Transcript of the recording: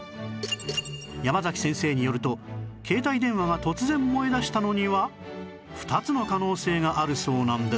山先生によると携帯電話が突然燃えだしたのには２つの可能性があるそうなんです